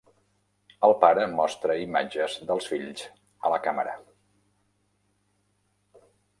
El pare mostra imatges dels fills a la càmera.